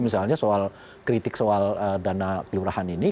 misalnya soal kritik soal dana kelurahan ini